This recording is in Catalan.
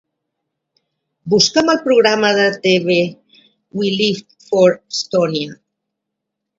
Busca'm el programa de TV We Lived for Estonia